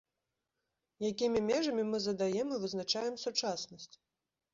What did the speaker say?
Якімі межамі мы задаем і вызначаем сучаснасць?